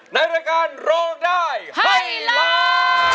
ในรายการร้องได้ให้ล้าน